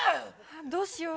どうしよう。